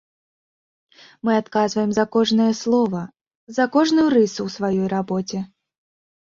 Мы адказваем за кожнае слова, за кожную рысу ў сваёй рабоце.